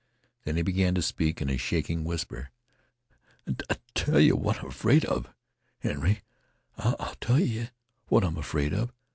Then he began to speak in a shaking whisper: "I tell yeh what I'm 'fraid of, Henry I 'll tell yeh what I 'm 'fraid of.